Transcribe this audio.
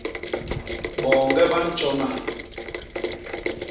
Boñge ba ntjona.